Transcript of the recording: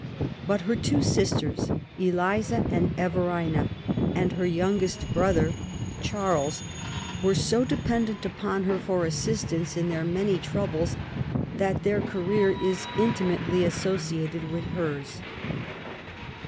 But her two sisters, Eliza and Everina, and her youngest brother, 6 MART W0LL8T0NECBAFT GODWIN. Charles^ were so dependent upon her for assistance in their many troubles that their career is intimately associated with hers.